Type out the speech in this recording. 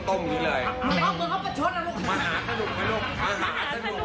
สวัสดีครับคุณผู้ชมครับ